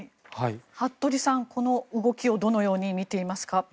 服部さん、この動きをどのように見ていますか？